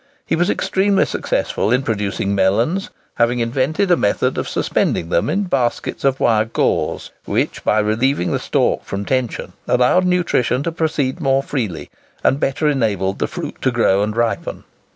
He was extremely successful in producing melons, having invented a method of suspending them in baskets of wire gauze, which, by relieving the stalk from tension, allowed nutrition to proceed more freely, and better enabled the fruit to grow and ripen.